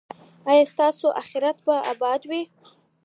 ایا ستاسو اخرت به اباد وي؟